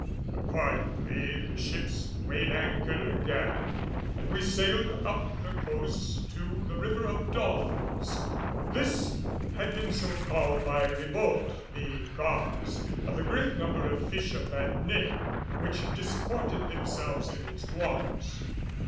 Accordingly the ships weighed anchor again and we sailed up the coast to the River of Dolphins. This had been so called by Ribault because of the great number of fish of that name which disported themselves in its waters.